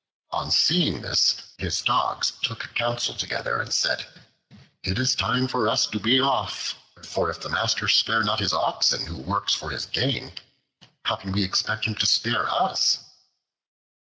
On seeing this, his Dogs took counsel together, and said, "It is time for us to be off, for if the master spare not his oxen, who work for his gain, how can we expect him to spare us?"